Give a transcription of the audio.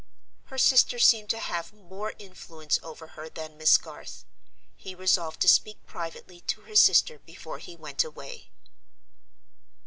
Her sister seemed to have mere influence over her than Miss Garth. He resolved to speak privately to her sister before he went away.